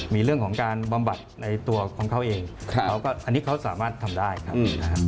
มีเรื่องของการบำบัดในตัวของเขาเองอันนี้เขาสามารถทำได้ครับนะฮะ